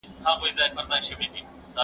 هغه څوک چي سبزیجات وچوي روغ وي،